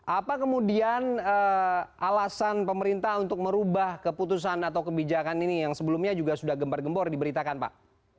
apa kemudian alasan pemerintah untuk merubah keputusan atau kebijakan ini yang sebelumnya juga sudah gembar gembor diberitakan pak